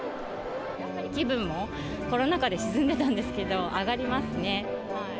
気分もコロナ禍で沈んでたんですけど、上がりますね。